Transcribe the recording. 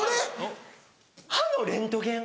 歯のレントゲン